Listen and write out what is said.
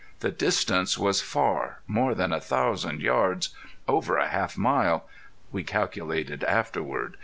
The distance was far more than a thousand yards over half a mile we calculated afterward.